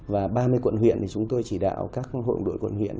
và ba mươi quận huyện thì chúng tôi chỉ đạo các hội đội quận huyện